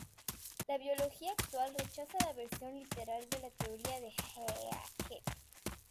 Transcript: La biología actual rechaza la versión literal de la teoría de Haeckel.